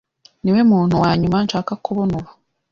Niwe muntu wanyuma nshaka kubona ubu.